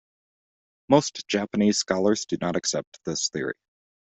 Most Japanese scholars do not accept this theory.